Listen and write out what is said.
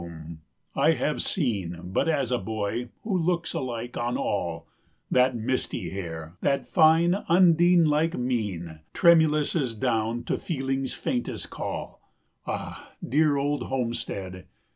] Virgilium vidi tantum, I have seen 225 But as a boy, who looks alike on all, That misty hair, that fine Undine like mien, Tremulous as down to feeling's faintest call; Ah, dear old homestead!